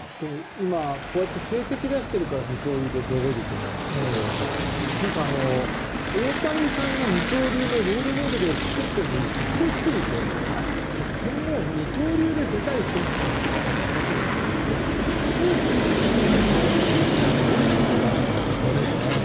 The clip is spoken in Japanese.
今、こうやって成績を出しているから二刀流で出れると思うんですが大谷さんが二刀流のロールモデルを作って特別すぎて、今後二刀流で出たい選手たちが多分、いた時にチームと監督の覚悟ってすごい必要だなと思いますよね。